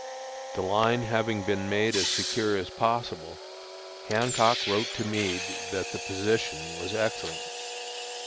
The line having been made as secure as possible, Hancock wrote to Meade that the position was excellent.